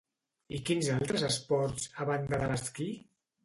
I quins altres esports, a banda de l'esquí?